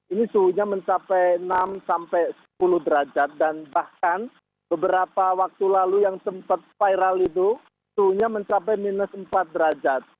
ini suhunya mencapai enam sampai sepuluh derajat dan bahkan beberapa waktu lalu yang sempat viral itu suhunya mencapai minus empat derajat